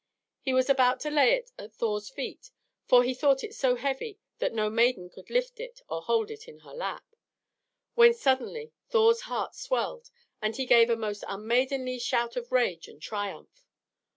He was about to lay it at Thor's feet (for he thought it so heavy that no maiden could lift it or hold it in her lap), when suddenly Thor's heart swelled, and he gave a most unmaidenly shout of rage and triumph.